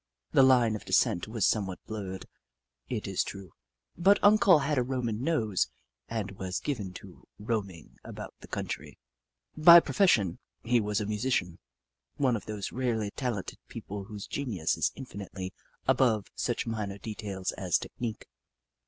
The line of descent was somewhat blurred, it 136 Hoop La 137 is true, but Uncle had a Roman nose and was given to roaming about the country. By profession, he was a musician — one of those rarely talented people whose genius is infinitely above such minor details as tech nique.